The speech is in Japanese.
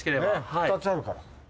２つあるから。